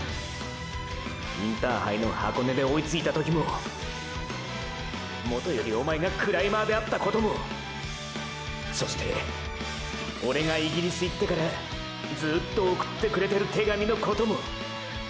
インターハイの箱根で追いついた時ももとよりおまえがクライマーであったこともそしてオレがイギリス行ってからずうっと送ってくれてる手紙のことも！！